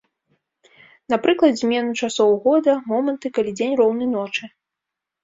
Напрыклад, змену часоў года, моманты, калі дзень роўны ночы.